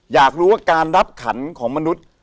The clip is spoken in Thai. อยากรู้ว่าการรับขันของมนุษย์